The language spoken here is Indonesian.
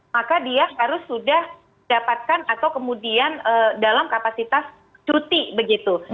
maka dia harus sudah dapatkan atau kemudian dalam kapasitas cuti begitu